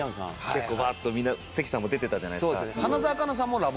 結構バーッとみんな関さんも出てたじゃないですか。